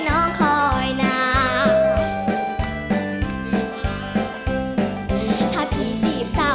น้องเป็นซาวเทคนิคตาคมพมยาว